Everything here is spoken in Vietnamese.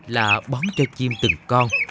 là bóng cho chim từng con